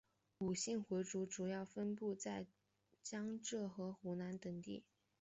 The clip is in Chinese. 伍姓回族主要分布在江浙和湖南等地。